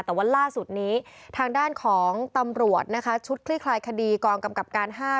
แต่ว่าล่าสุดนี้ทางด้านของตำรวจนะคะชุดคลี่คลายคดีกองกำกับการ๕